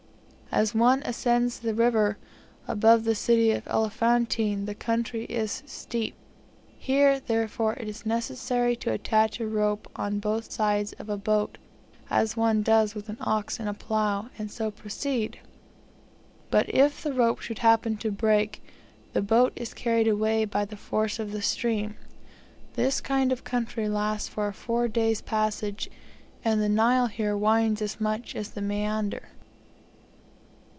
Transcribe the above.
As one ascends the river, above the city of Elephantine, the country is steep; here, therefore; it is necessary to attach a rope on both sides of a boat, as one does with an ox in a plough, and so proceed; but if the rope should happen to break, the boat is carried away by the force of the stream. This kind of country lasts for a four days' passage, and the Nile here winds as much as the Maeander.